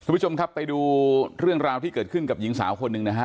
คุณผู้ชมครับไปดูเรื่องราวที่เกิดขึ้นกับหญิงสาวคนหนึ่งนะฮะ